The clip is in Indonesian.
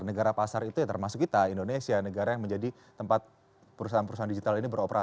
negara pasar itu ya termasuk kita indonesia negara yang menjadi tempat perusahaan perusahaan digital ini beroperasi